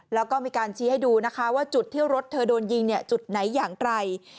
แล้วก็มีการชี้ให้ดูนะคะว่าจุดที่รถเธอโดนยิงจุดไหนอย่างไร